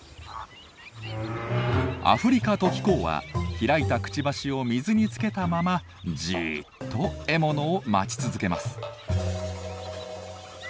アフリカトキコウは開いたくちばしを水につけたままじっと獲物を待ち続けます。